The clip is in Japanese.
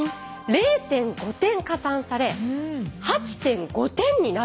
０．５点加算され８．５点になるんですよ。